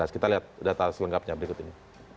kita lihat data selengkapnya berikut ini